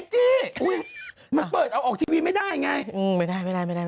แกเปิดออกทีวีไม่ได้ไง